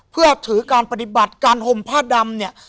เพื่อถือการปฏิบัติการห่มผ้าดำเนี่ย